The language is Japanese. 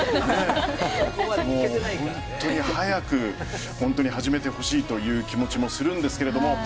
もう、本当に早く始めてほしいという気持ちもするんですけども。